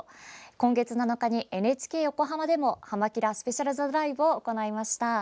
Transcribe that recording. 今月７日にＮＨＫ横浜でも「はま☆キラ！スペシャルジャズライブ」を行いました。